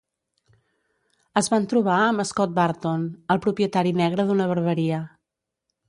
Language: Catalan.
Es van trobar amb Scott Burton, el propietari negre d'una barberia.